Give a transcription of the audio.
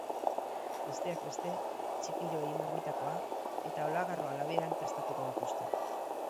Besteak beste, txipiroi marmitakoa eta olagarroa labean prestatuko dituzte.